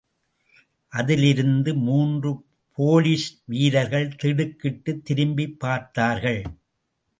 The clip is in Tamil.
அதிலிருந்த மூன்று போலீஸ் வீரர்கள் திடுக்கிட்டுத் திரும்பிப் பார்த்தார்கள்.